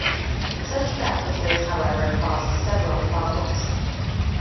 Such practices, however, caused several problems.